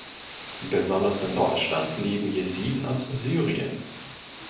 Besonders in Deutschland leben Jesiden aus Syrien.